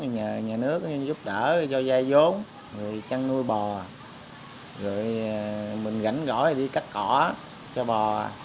nhờ nhà nước giúp đỡ cho giai vốn trăn nuôi bò rồi mình rảnh rõ đi cắt cỏ cho bò